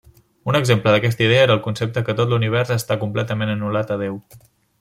Un exemple d'aquesta idea era el concepte que tot l'univers està completament anul·lat a Déu.